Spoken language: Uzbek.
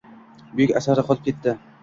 Buyuk asari qolib ketdi.